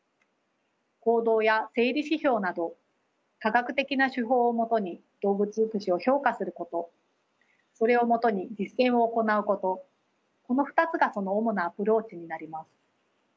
行動や生理指標など科学的な手法をもとに動物福祉を評価することそれをもとに実践を行うことこの２つがその主なアプローチになります。